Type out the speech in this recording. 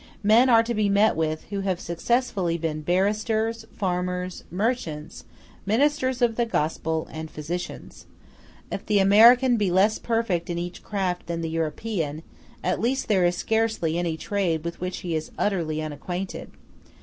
Men are to be met with who have successively been barristers, farmers, merchants, ministers of the gospel, and physicians. If the American be less perfect in each craft than the European, at least there is scarcely any trade with which he is utterly unacquainted.